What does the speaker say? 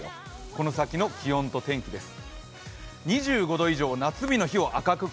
この先の気温と天気です。